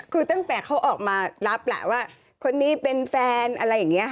คือตั้งแต่เขาออกมารับแหละว่าคนนี้เป็นแฟนอะไรอย่างนี้ค่ะ